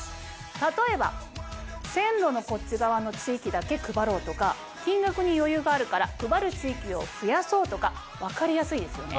例えば線路のこっち側の地域だけ配ろうとか金額に余裕があるから配る地域を増やそうとか分かりやすいですよね。